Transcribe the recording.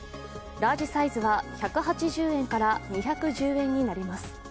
ラージサイズは１８０円から２１０円になります。